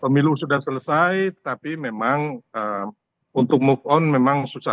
pemilu sudah selesai tetapi memang untuk move on memang susah